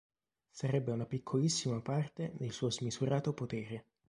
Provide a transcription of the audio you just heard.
Sarebbe una piccolissima parte del suo smisurato potere.